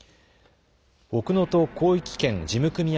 奥能登広域圏事務組合